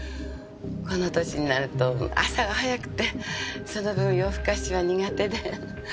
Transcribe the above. この歳になると朝が早くてその分夜更かしは苦手で。